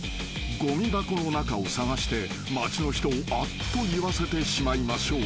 ［ごみ箱の中を捜して街の人をあっといわせてしまいましょう］